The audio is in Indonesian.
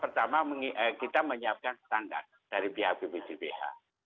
pertama pertama kita menyiapkan standar dari pihak bppbh